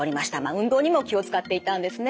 運動にも気を遣っていたんですね。